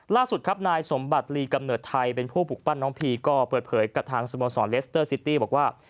ล่าสุดครับนายสมบัติลีกำเนิดไทยเป็นผู้ปลูกปั้นน้องพีก็เปิดเผยกับทางสโมสรเลสเตอร์ซิตี้บอกว่า